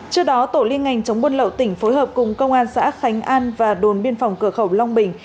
trước đó tổ liên ngành chống buôn lậu tỉnh phối hợp cùng công an xã khánh an và đồn biên phòng cửa khẩu long bình